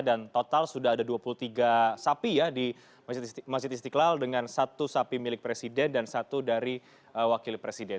dan total sudah ada dua puluh tiga sapi ya di masjid istiqlal dengan satu sapi milik presiden dan satu dari wakil presiden